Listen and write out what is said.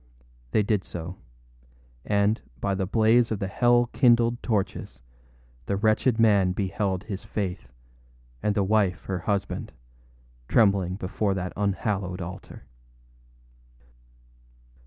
â They did so; and, by the blaze of the hell kindled torches, the wretched man beheld his Faith, and the wife her husband, trembling before that unhallowed altar.